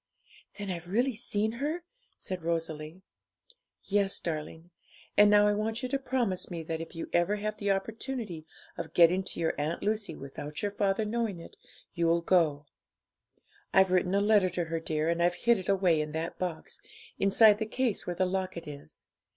'Then I've really seen her?' said Rosalie. 'Yes, darling; and now I want you to promise me that, if ever you have the opportunity of getting to your Aunt Lucy without your father knowing it, you'll go. I've written a letter to her, dear, and I've hid it away in that box, inside the case where the locket is.